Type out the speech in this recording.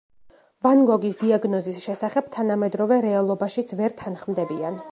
ვან გოგის დიაგნოზის შესახებ თანამედროვე რეალობაშიც ვერ თანხმდებიან.